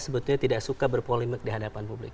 sebetulnya tidak suka berpolemik di hadapan publik